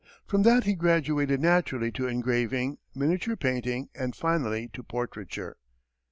From that he graduated naturally to engraving, miniature painting, and finally to portraiture.